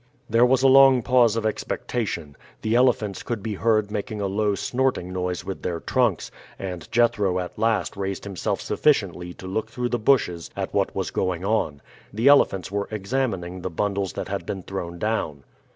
There was a long pause of expectation. The elephants could be heard making a low snorting noise with their trunks; and Jethro at last raised himself sufficiently to look through the bushes at what was going on. The elephants were examining the bundles that had been thrown down.